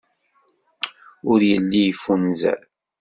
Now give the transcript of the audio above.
Ur yelli yeffunzer.